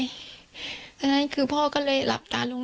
เพราะฉะนั้นคือพ่อก็เลยหลับตาลง